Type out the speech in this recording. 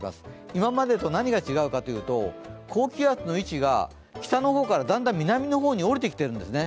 今までと何が違うかというと高気圧の位置が北のほうからだんだん南の方に下りてきているんですね。